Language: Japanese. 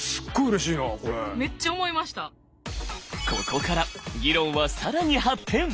ここから議論は更に発展。